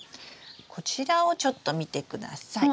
こちらをちょっと見てください。